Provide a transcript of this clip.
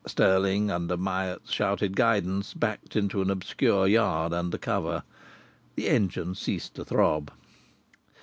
Stirling, under Myatt's shouted guidance, backed into an obscure yard under cover. The engine ceased to throb.